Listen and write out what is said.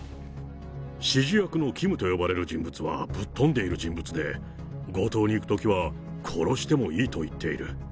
指示役のＫＩＭと呼ばれる人物はぶっ飛んでいる人物で、強盗に行くときは、殺してもいいと言っている。